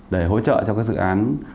để hỗ trợ cho các dự án